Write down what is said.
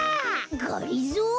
がりぞー？